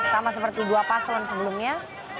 sama seperti dua paslon sebelumnya